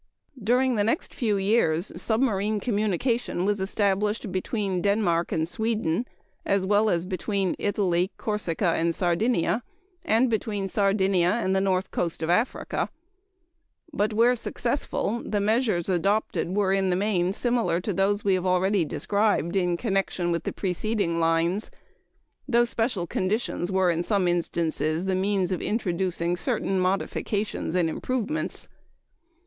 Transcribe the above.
During the next few years submarine communication was established between Denmark and Sweden, as well as between Italy, Corsica, and Sardinia; and between Sardinia and the north coast of Africa; but where successful, the measures adopted were, in the main, similar to those we have already described in connection with the preceding lines, though special conditions were, in some instances, the means of introducing certain modifications and improvements.